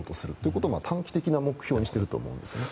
それを短期的な目標にしていると思うんですね。